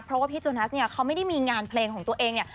เพราะว่าพี่โจนัสเขาไม่ได้งานเพลงของตัวเองนะ